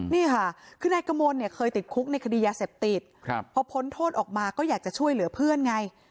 นี่ค่ะคือนายกมลเนี่ยเคยติดคุกในคดียาเสพติดพอพ้นโทษออกมาก็อยากจะช่วยเหลือเพื่อนไง